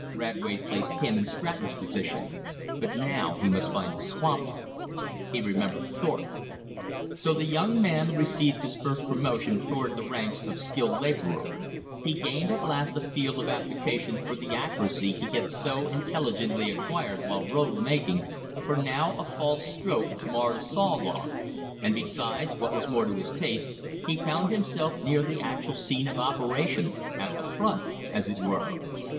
Radway placed him in Stratton's place. But now he must find a swamper. He remembered Thorpe. So the young man received his first promotion toward the ranks of skilled labor. He gained at last a field of application for the accuracy he had so intelligently acquired while road making, for now a false stroke marred a saw log; and besides, what was more to his taste, he found himself near the actual scene of operation, at the front, as it were.